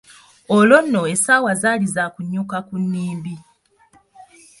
Olwo nno essaawa zaali za kunyuka ku mmimbi.